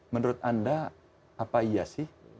menurut anda apa iya sih